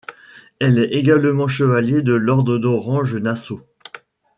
Elle est également Chevalier de l'ordre d'Orange-Nassau.